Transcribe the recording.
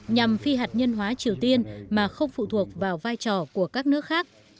nhằm phi hạt nhân hóa triều tiên mà không phụ thuộc vào vai trò của các nước khác